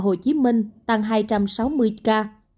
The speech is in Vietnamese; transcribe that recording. hồ chí minh tăng hai trăm sáu mươi ca